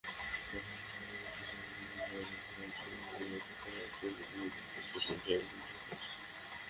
আঁতোয়ান Griezmann, Olivier Giroud, Dimitri পায়েত—সর্বোচ্চ গোলদাতার তালিকায় সেরা চারের তিনজনই ফ্রান্সের।